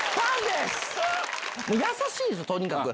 優しいんですよ、とにかく。